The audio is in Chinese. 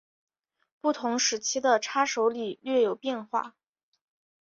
不同时期的叉手礼略有变化。